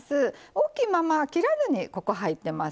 大きいまま切らずに入ってます。